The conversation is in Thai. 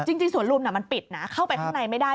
จริงสวนลุมมันปิดนะเข้าไปข้างในไม่ได้